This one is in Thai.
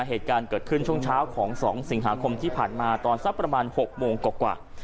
เหตุการณ์เกิดขึ้นช่วงเช้าของ๒สิงหาคมที่ผ่านมาตอนสักประมาณ๖โมงกว่า